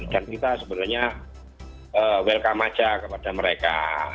dan kita sebenarnya welcome saja kepada mereka